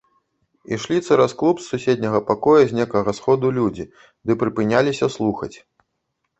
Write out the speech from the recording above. Ішлі цераз клуб з суседняга пакоя з некага сходу людзі ды прыпыняліся слухаць.